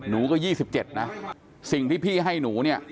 หนูก็๒๗นะสิ่งที่พี่ให้หนูเนี่ย